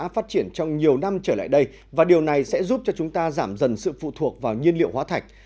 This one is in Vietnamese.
phát triển trong nhiều năm trở lại đây và điều này sẽ giúp cho chúng ta giảm dần sự phụ thuộc vào nhiên liệu hóa thạch